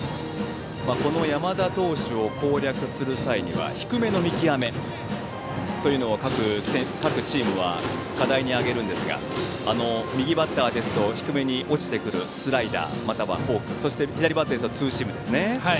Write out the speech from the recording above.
この山田投手を攻略する際には低めの見極めというのを各チームは課題に挙げるんですが右バッターですと低めに落ちてくるスライダーまたはフォークそして左バッターにはツーシームですね。